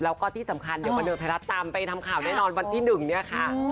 แล้วก็ที่สำคัญเดี๋ยวบันเทิงไทยรัฐตามไปทำข่าวแน่นอนวันที่๑เนี่ยค่ะ